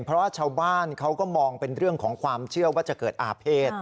เพราะว่าชาวบ้านเขาก็มองเป็นเรื่องของความเชื่อว่าจะเกิดอาเภษ